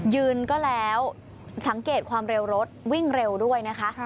ยืนก็แล้วสังเกตความเร็วรถวิ่งเร็วด้วยนะคะ